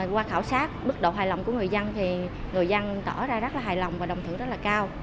qua khảo sát mức độ hài lòng của người dân thì người dân tỏ ra rất là hài lòng và đồng thử rất là cao